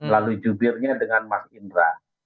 lalu jubirnya dengan mas indra